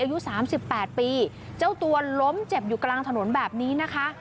อายุสามสิบแปดปีเจ้าตัวล้มเจ็บอยู่กลางถนนแบบนี้นะคะ